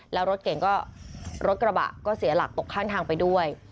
แล้วรถเก่งก็รถกระบะก็เสียหลักตกข้างทางไปด้วย